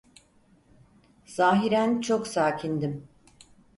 Zâhiren çok sakindim.